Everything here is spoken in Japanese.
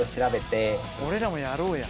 俺らもやろうや。